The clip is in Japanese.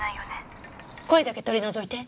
声だけ取り除いて。